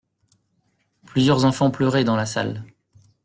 Plusieurs enfants pleuraient dans la salle.